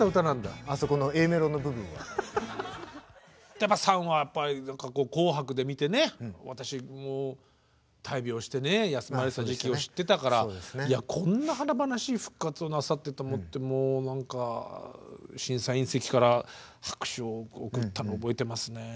やっぱ「ＳＵＮ」はやっぱり「紅白」で見てね私もう大病をしてね休まれてた時期を知ってたからいやこんな華々しい復活をなさってと思ってもう何か審査員席から拍手を送ったのを覚えてますね。